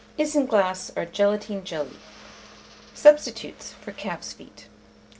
ISINGLASS OR GELATINE JELLY. (Substitutes for Calf's Feet.)